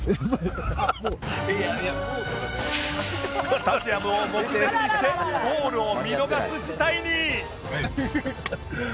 スタジアムを目前にしてゴールを見逃す事態に